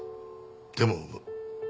でも産む。